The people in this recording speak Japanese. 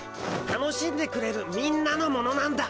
楽しんでくれるみんなのものなんだ。